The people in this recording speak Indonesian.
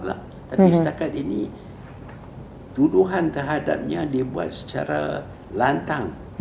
tapi setakat ini tuduhan terhadapnya dibuat secara lantang